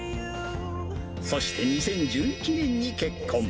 そして２０１１年に結婚。